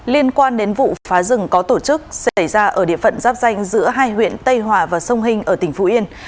liên quan đến vụ phá rừng có tổ chức xảy ra ở địa phận giáp danh giữa hai huyện tây hòa và sông hinh ở tỉnh phú yên